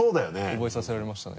覚えさせられましたね